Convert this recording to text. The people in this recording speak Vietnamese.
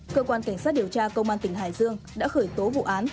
cơ quan cảnh sát điều tra công an tỉnh hải dương đã khởi tố vụ án